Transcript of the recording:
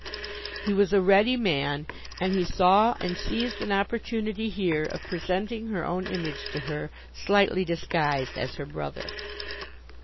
He was a ready man, and he saw, and seized, an opportunity here of presenting her own image to her, slightly disguised as her brother.